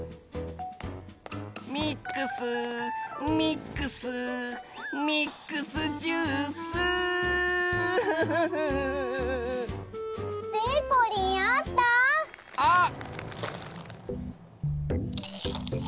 「ミックスミックスミックスジュース」でこりんあった？